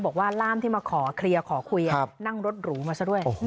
บอกว่าร่ามที่มาขอเคลียร์ขอคุยนั่งรถหรูมาซะด้วย